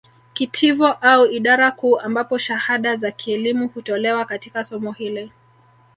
Kitivo au idara kuu ambapo shahada za kielimu hutolewa katika somo hili